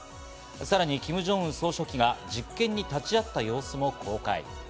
さらにキム・ジョンウン総書記が実験に立ち会った様子も公開。